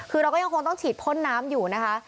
คือเราก็ยังคงต้องฉีดพ่นน้ำอยู่นะคะ